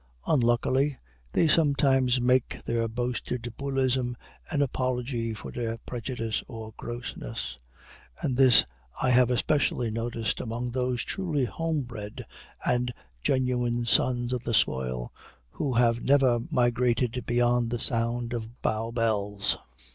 Unluckily, they sometimes make their boasted Bull ism an apology for their prejudice or grossness; and this I have especially noticed among those truly homebred and genuine sons of the soil who have never migrated beyond the sound of Bow bells.